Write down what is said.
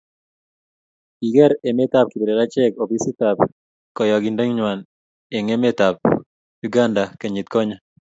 kiker emet ab kiplelachek opisit ab kiokindengwaieng emetab uganda kenyit konye